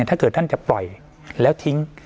ถ้าเกิดท่านจะปล่อยแล้วทิ้ง